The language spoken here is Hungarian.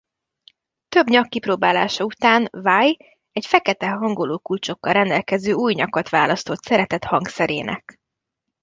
Több nyak kipróbálása után Vai egy fekete hangolókulcsokkal rendelkező új nyakat választott szeretett hangszerének.